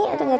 aduh gak jas